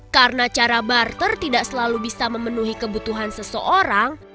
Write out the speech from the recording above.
karena cara barter tidak selalu bisa memenuhi kebutuhan seseorang